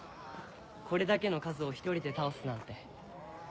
これだけの数を１人で倒すなんて。